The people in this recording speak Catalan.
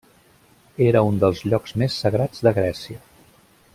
Era un dels llocs més sagrats de Grècia.